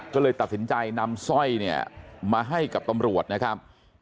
ก็เลยตัดสินใจนำสร้อยเนี่ยมาให้กับตำรวจนะครับ